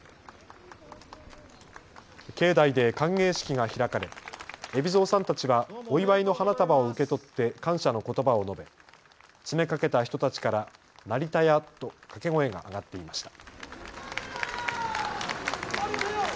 境内で歓迎式が開かれ海老蔵さんたちはお祝いの花束を受け取って感謝のことばを述べ詰めかけた人たちから、成田屋と掛け声が上がっていました。